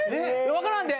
わからんで。